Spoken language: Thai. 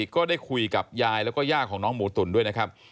ก็ได้คุยกับยายแล้วก็ย่าของน้องหมูตุ๋นด้วยนะครับ